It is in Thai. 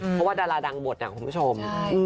เพราะว่าดาราดังหมดนะคุณผู้ชม